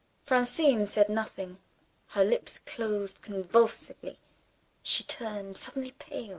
Francine said nothing; her lips closed convulsively she turned suddenly pale.